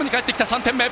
３点目！